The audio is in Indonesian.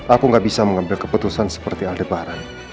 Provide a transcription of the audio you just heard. aku tidak bisa mengambil keputusan seperti aldebaran